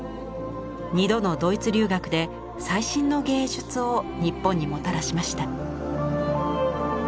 ２度のドイツ留学で最新の芸術を日本にもたらしました。